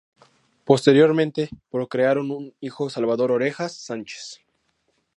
Posteriormente procrearon un hijo Salvador Orejas Sánchez.